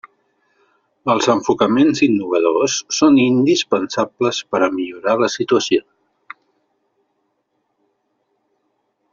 Els enfocaments innovadors són indispensables per a millorar la situació.